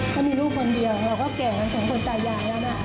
พอมีลูกคนเดียวแล้วก็แก่หนึ่งสองคนตายใหญ่แล้วนะ